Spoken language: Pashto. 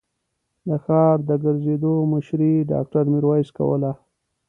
د ښار د ګرځېدو مشري ډاکټر ميرويس کوله.